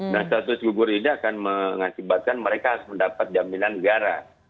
nah status gugur ini akan mengakibatkan mereka harus mendapat jaminan negara